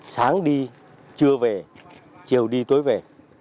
sáng đi trưa về chiều đi tối về